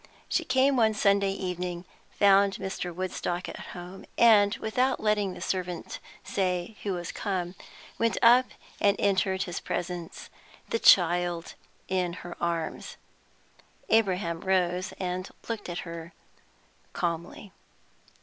She came one Sunday evening, found Mr. Woodstock at home, and, without letting the servant say who was come, went up and entered his presence, the child in her arms. Abraham rose and looked at her calmly.